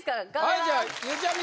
はいじゃあゆうちゃみ